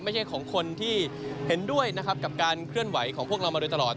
ไม่ใช่ของคนที่เห็นด้วยนะครับกับการเคลื่อนไหวของพวกเรามาโดยตลอด